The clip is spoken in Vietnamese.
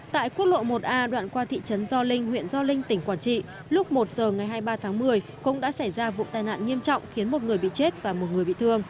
tại quốc lộ một a đoạn qua thị trấn gio linh huyện gio linh tỉnh quảng trị lúc một giờ ngày hai mươi ba tháng một mươi cũng đã xảy ra vụ tai nạn nghiêm trọng khiến một người bị chết và một người bị thương